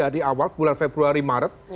di awal bulan februari maret